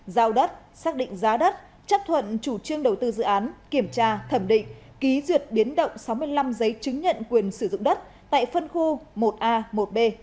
giao đất xác định giá đất chấp thuận chủ trương đầu tư dự án kiểm tra thẩm định ký duyệt biến động sáu mươi năm giấy chứng nhận quyền sử dụng đất tại phân khu một a một b